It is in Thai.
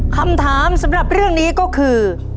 คำถามสำหรับเรื่องนี้ก็คือ